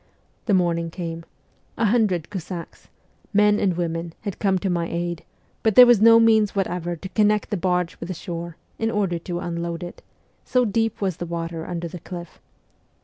The morning came ; a hundred Cossacks men and SIBERIA 219 women had come to my aid, but there was no means whatever to connect the barge with the shore, in order to unload it so deep was the water under the cliff.